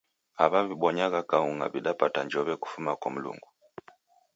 Aw'a w'ibonyagha kaung'a w'idapata njow'e kufuma kwa Mlungu.